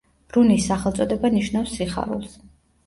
რუნის სახელწოდება ნიშნავს „სიხარულს“.